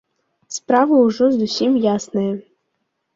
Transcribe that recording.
Справа ўжо зусім ясная.